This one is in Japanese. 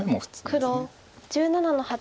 黒１７の八。